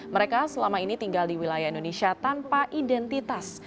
mereka selama ini tinggal di wilayah indonesia tanpa identitas